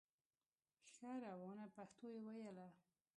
ښه روانه پښتو یې ویله